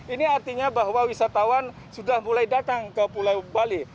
ini artinya bahwa wisatawan sudah mulai datang ke pulau bali